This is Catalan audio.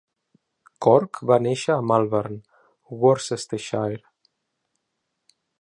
Corke va néixer a Malvern, Worcestershire.